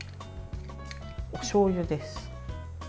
おしょうゆです。